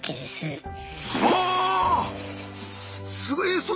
すごい。